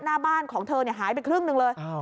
หน้าบ้านของเธอหายไปครึ่งหนึ่งเลย